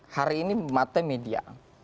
hari ini mata media